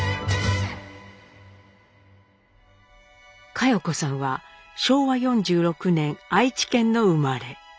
佳代子さんは昭和４６年愛知県の生まれ。